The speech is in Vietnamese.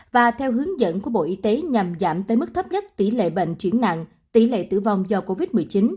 và theo hướng dẫn của bộ y tế nhằm giảm tới mức thấp nhất tỷ lệ bệnh chuyển nặng tỷ lệ tử vong do covid một mươi chín